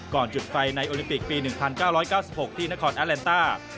ก่อนจุดไฟในโอลิมปิกปี๑๙๙๖ที่นครอัตเลนตา